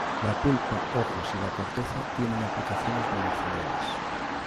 La pulpa, hojas y la corteza tienen aplicaciones medicinales.